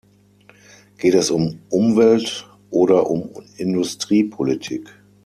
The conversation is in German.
Geht es um Umweltoder um Industriepolitik?